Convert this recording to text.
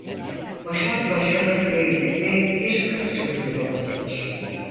Başar Başarır evli ve bir kız çocuğu babasıdır.